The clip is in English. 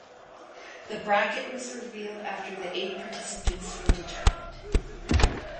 The bracket was revealed after the eight participants were determined.